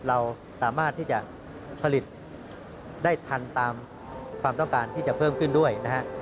เราสามารถที่จะผลิตได้ทันตามความต้องการที่จะเพิ่มขึ้นด้วยนะฮะ